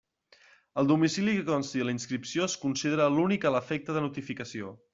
El domicili que consti a la inscripció es considera l'únic a l'efecte de notificació.